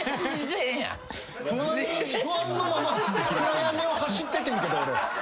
不安のまま暗闇を走っててんけど俺。